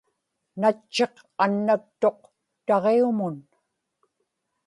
natchiq annaktuq taġiumun